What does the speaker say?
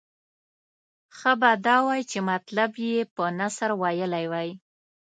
ښه به دا وای چې مطلب یې په نثر ویلی وای.